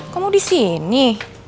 kok mau disini